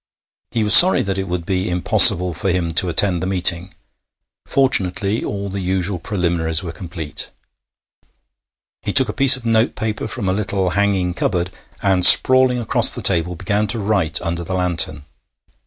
He was sorry that it would be impossible for him to attend the meeting; fortunately, all the usual preliminaries were complete. He took a piece of notepaper from a little hanging cupboard, and, sprawling across the table, began to write under the lantern.